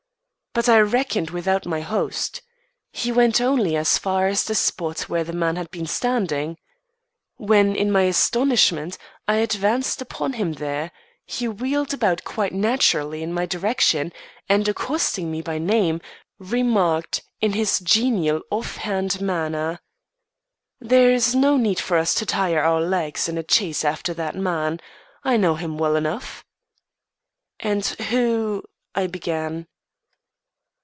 But I reckoned without my host. He went only as far as the spot where the man had been standing. When, in my astonishment, I advanced upon him there, he wheeled about quite naturally in my direction and, accosting me by name, remarked, in his genial off hand manner: "There is no need for us to tire our legs in a chase after that man. I know him well enough." "And who " I began.